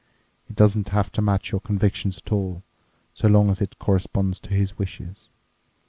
It doesn't have to match your convictions at all, so long as it corresponds to his wishes.